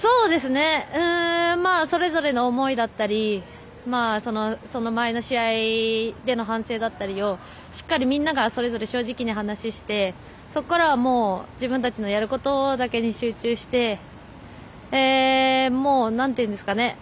それぞれの思いだったりその前の試合での反省だったりをしっかりみんなが、それぞれ正直に話をしてそこからは、自分たちのやることだけに集中してなんていうんですかね。